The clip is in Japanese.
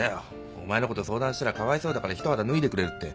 お前のこと相談したらかわいそうだから一肌脱いでくれるって。